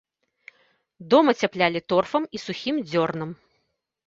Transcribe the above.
Дом ацяплялі торфам і сухім дзёрнам.